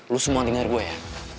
lu semua dengar gue ya